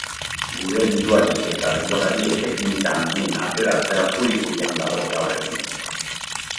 Gure diruari eta denborari etekinik handiena ateratzea puri-purian dago gaur egun.